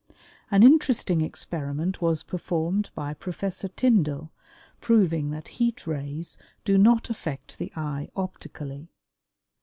An interesting experiment was performed by Professor Tyndall proving that heat rays do not affect the eye optically.